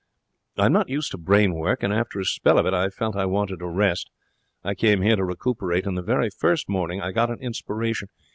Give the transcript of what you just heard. I'm not used to brain work, and after a spell of it I felt I wanted a rest. I came here to recuperate, and the very first morning I got an inspiration.